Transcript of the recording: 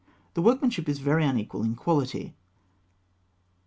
The workmanship is very unequal in quality.